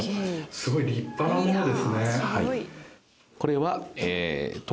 すごい立派なものですね。